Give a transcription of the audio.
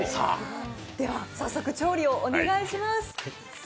では早速、調理をお願いします。